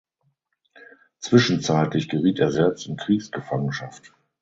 Zwischenzeitlich geriet er selbst in Kriegsgefangenschaft.